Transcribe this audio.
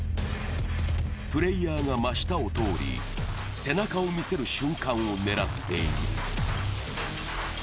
プレーヤーが真下を通り、背中を見せる瞬間を狙っている。